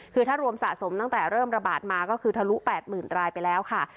คือถ้ารวมสะสมตั้งแต่เริ่มระบาดมาก็คือทะลุ๘๐๐๐รายไปแล้วค่ะ